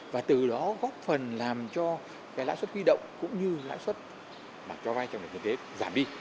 và từ đó góp phần làm cho cái lãi xuất huy động cũng như lãi xuất cho vai trong nền kinh tế giảm đi